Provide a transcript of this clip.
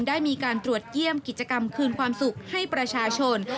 ได้มีการตรวจเยี่ยมกิจกรรมคืนความสุขให้ประชาชน